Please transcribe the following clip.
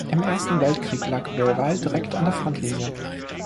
Im Ersten Weltkrieg lag Belval direkt an der Frontlinie.